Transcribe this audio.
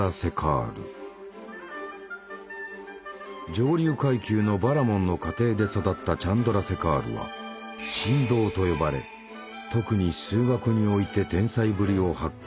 上流階級のバラモンの家庭で育ったチャンドラセカールは「神童」と呼ばれ特に数学において天才ぶりを発揮した。